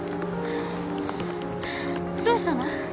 どうしたの？